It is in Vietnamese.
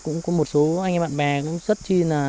cũng có một số anh em bạn bè cũng có một số anh em bạn bè